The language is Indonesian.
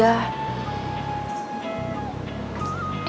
aku selalu sayaai